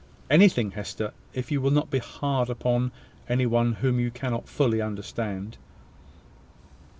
"Anything, Hester, if you will not be hard upon any one whom you cannot fully understand."